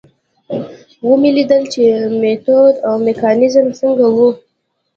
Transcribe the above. ومې لیدل چې میتود او میکانیزم څنګه و.